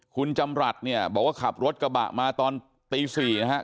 คุณจำรัฐเนี่ยบอกว่าขับรถกระบะมาตอนตี๔นะครับ